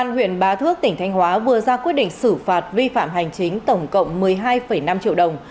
công thước tỉnh thanh hóa vừa ra quyết định xử phạt vi phạm hành chính tổng cộng một mươi hai năm triệu đồng